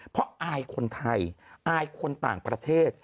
เพราะอายคนไทยอายคนต่างประเทศ